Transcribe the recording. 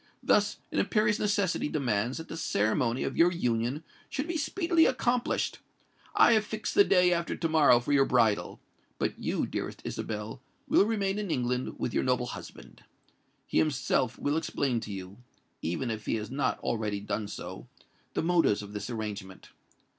Thus an imperious necessity demands that the ceremony of your union should be speedily accomplished. I have fixed the day after to morrow for your bridal:—but you, dearest Isabel, will remain in England with your noble husband. He himself will explain to you—even if he has not already done so—the motives of this arrangement.